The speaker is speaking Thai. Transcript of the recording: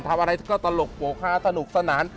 ทำอะไรก็ตลกโปรกฮาสนุกสนาน